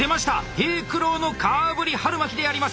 「平九郎のかあぶり春巻」であります！